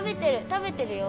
食べてるよ。